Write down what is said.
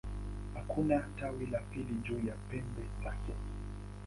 Hakuna tawi la pili juu ya pembe zake.